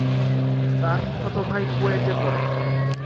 তার ফুফাতো ভাই কুয়েটে পড়ে।